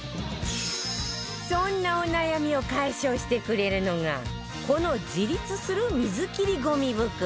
そんなお悩みを解消してくれるのがこの自立する水切りゴミ袋